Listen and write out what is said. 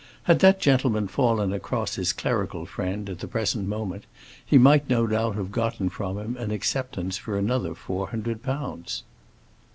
Had that gentleman fallen across his clerical friend at the present moment, he might no doubt have gotten from him an acceptance for another four hundred pounds.